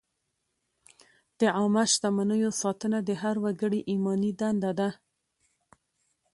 د عامه شتمنیو ساتنه د هر وګړي ایماني دنده ده.